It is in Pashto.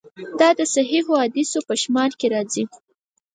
دا د صحیحو حدیثونو په شمار کې راځي.